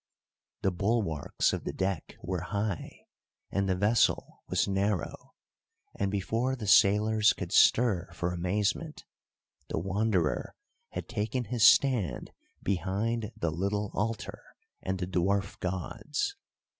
The bulwarks of the deck were high, and the vessel was narrow, and before the sailors could stir for amazement the Wanderer had taken his stand behind the little altar and the dwarf gods.